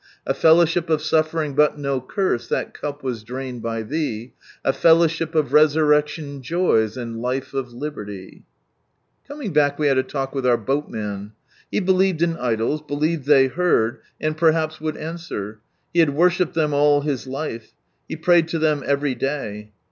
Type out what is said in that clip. A (ellowship of sulTering txit no curse, thai cup was drained by Thee. A fellowship of resaiiecdon joys, and life of liberty !" Coming back we had a talk with our boatman. He believed in idols, believed they heard, and perhaps would answer, he had worshipped them all his life, he prayed to ihem every day.